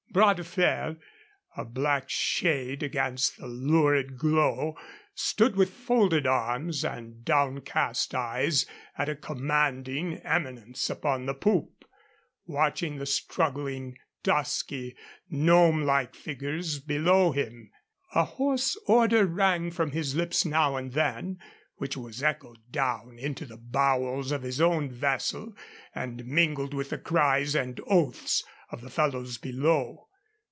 Bras de Fer, a black shade against the lurid glow, stood with folded arms and downcast eyes at a commanding eminence upon the poop, watching the struggling, dusky, gnomelike figures below him. A hoarse order rang from his lips now and then, which was echoed down into the bowels of his own vessel and mingled with the cries and oaths of the fellows below.